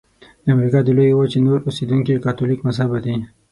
د امریکا د لویې وچې نور اوسیدونکي کاتولیک مذهبه دي.